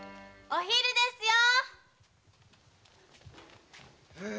お昼ですよ。